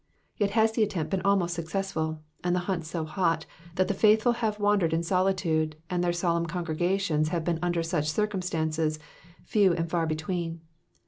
Yet has the attempt been almost successful, and the hunt so hot, that the faithful have wandered in solitude, and their solemn congregations have been, under such circumstances, few and far between.